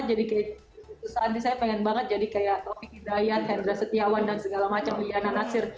kayak keputusan saya pengen banget jadi kayak taufik hidayat hendra setiawan dan segala macam liana nasir